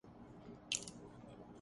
اورسی D A اس کی منتظم ہے۔